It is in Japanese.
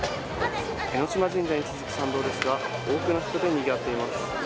江島神社に続く参道ですが、多くの人でにぎわっています。